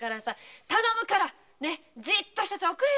頼むからじっとしてておくれよ。